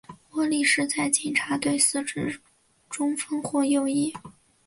窝利士在警察队司职中锋或右翼。